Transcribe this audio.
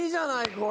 これ！